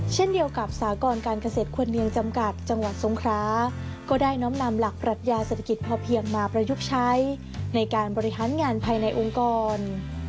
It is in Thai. เช่นเดียวกับสากรการเกษตรควรเนียงจำกัดจังหวัดทรงคราก็ได้น้อมนำหลักปรัชญาเศรษฐกิจพอเพียงมาประยุกต์ใช้ในการบริหารงานภายในองค์กร